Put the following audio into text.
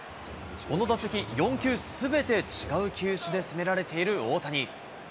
この打席、４球すべて違う球種で攻められている大谷。